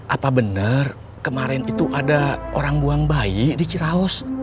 apa benar kemarin itu ada orang buang bayi di ciraus